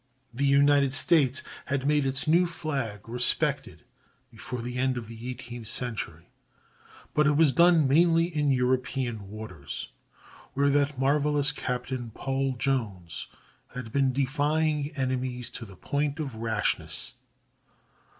The United States had made its new flag respected before the end of the eighteenth century, but it was done mainly in European waters, where that marvelous captain, Paul Jones, had been defying enemies to the point of rashness.